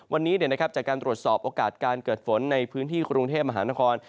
วันนี้จากการตรวจสอบโอกาสการเกิดฝนในพื้นที่กรุงเทพมหานคร